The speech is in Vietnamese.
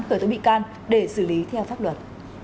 khởi tố bị can để xử lý theo pháp luật